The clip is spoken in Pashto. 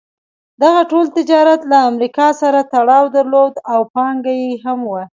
دغه ټول تجارت له امریکا سره تړاو درلود او پانګه یې هم وه.